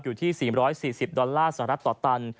อยู่ที่๔๔๐ดอลลาร์สหรัฐต่อตัน